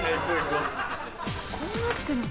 こうなってるんだ。